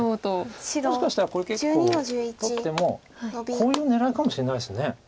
もしかしたらこれ結構取ってもこういう狙いかもしれないです。